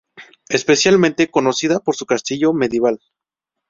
Especialmente conocida por su castillo medieval.